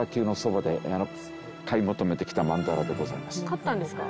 買ったんですか？